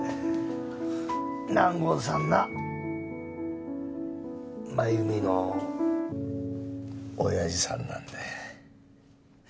南郷さんな真由美の親父さんなんだ。